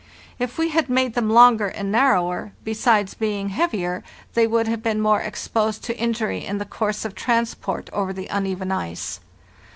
If we had made them longer and narrower, besides being heavier they would have been more exposed to injury in the course of transport over the uneven ice.